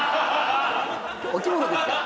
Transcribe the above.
お着物ですから。